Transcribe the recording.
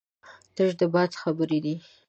تش د باد خبرې اوري